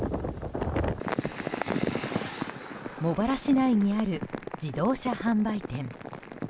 茂原市内にある自動車販売店。